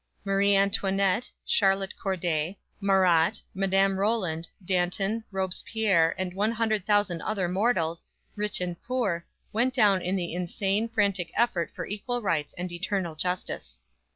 Marie Antoinette, Charlotte Corday, Marat, Madame Roland, Danton, Robespierre and one hundred thousand other mortals, rich and poor, went down in the insane, frantic effort for equal rights and eternal justice.